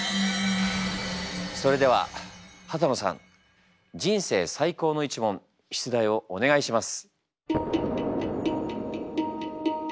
それでは幡野さん人生最高の一問出題をお願いします。